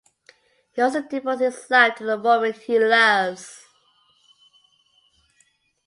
He also devotes his life to the woman he loves.